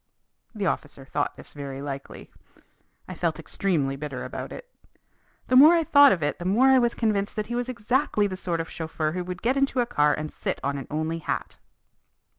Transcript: The officer thought this very likely. I felt extremely bitter about it. The more I thought of it the more I was convinced that he was exactly the sort of chauffeur who would get into a car and sit on an only hat.